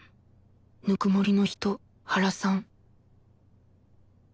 ぬくもりの人原さん